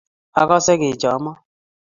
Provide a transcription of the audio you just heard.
Akase kechomo